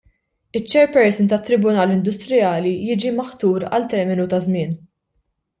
Iċ-chairperson tat-Tribunal Indusrijali jiġi maħtur għal terminu ta' żmien.